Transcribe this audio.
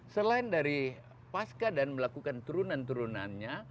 selain dari pasca dan melakukan turunan turunannya